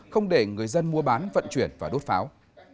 không để người dân mua bán vận chuyển và đốt pháo